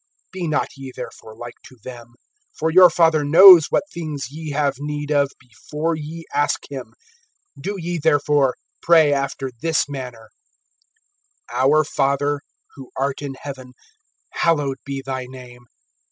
(8)Be not ye therefore like to them; for your Father knows what things ye have need of, before ye ask him. (9)Do ye, therefore, pray after this manner: Our Father who art in heaven, hallowed be thy name.